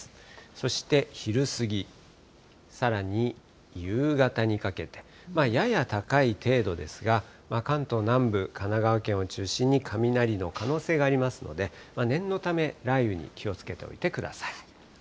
そして昼過ぎ、さらに夕方にかけて、やや高い程度ですが、関東南部、神奈川県を中心に、雷の可能性がありますので、念のため、雷雨に気をつけておいてください。